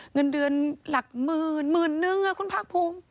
เงินเดือนหลักหมื่นหมื่นนึงคุณภาคภูมิ